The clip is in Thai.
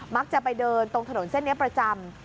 จะไปเดินตรงถนนเส้นนี้ประจำ